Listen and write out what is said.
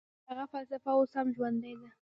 د هغه فلسفه اوس هم ژوندۍ ده.